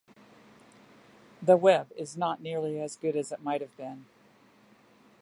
"The Web" is not nearly as good as it might have been.